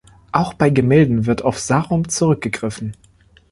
Auch bei Gemälden wird auf Sarum zurückgegriffen.